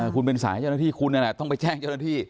คุณเป็นสายให้เจ้าหน้าที่คุณต้องไปแจ้งเจ้าหน้าที่